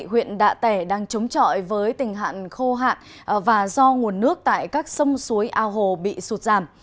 huyện đạ tẻ đang chống chọi với tình hạn khô hạn và do nguồn nước tại các sông suối ao hồ bị sụt giảm